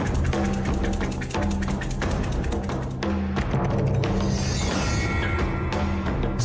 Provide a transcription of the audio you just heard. เซ็มซี